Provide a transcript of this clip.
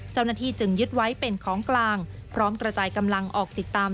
เจ้าหน้าที่จึงยึดไว้เป็นของกลางพร้อมกระจายกำลังออกติดตาม